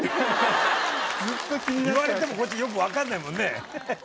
言われてもこっちよく分かんないもんね。